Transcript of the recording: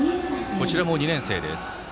こちらも２年生です。